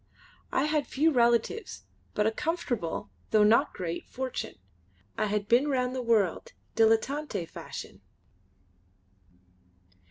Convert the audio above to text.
I had few relatives, but a comfortable, though not great, fortune; and I had been round the world, dilettante fashion.